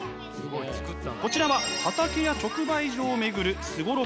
こちらは畑や直売所を巡るすごろく。